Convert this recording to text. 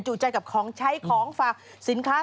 ใจกับของใช้ของฝากสินค้า